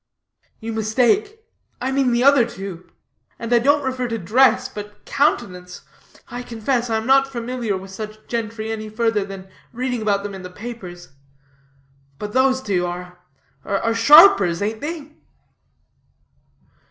"You mistake; I mean the other two, and I don't refer to dress, but countenance. I confess I am not familiar with such gentry any further than reading about them in the papers but those two are are sharpers, aint they?"